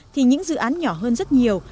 thì những dự án nhỏ hơn rất nhiều